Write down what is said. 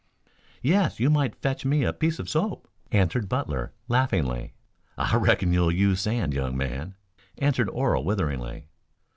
"Yes, you might fetch me a piece of soap," answered Butler laughingly. "I reckon you'll use sand, young man," answered Orell witheringly.